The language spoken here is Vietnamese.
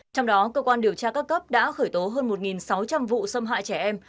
trong đó cơ quan điều tra các cấp đã khởi tố hơn một sáu trăm linh vụ xâm hại trẻ em